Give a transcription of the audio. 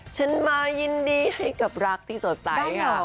ฉันมายินดีให้กับรักที่สดใสค่ะ